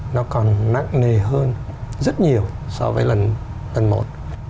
nó còn nặng nề hơn rất nhiều so với lần một